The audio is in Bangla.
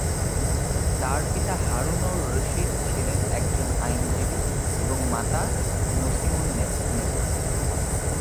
তার পিতা হারুন-অর-রশীদ ছিলেন একজন আইনজীবী এবং তার মাতা নছিমুননেসা।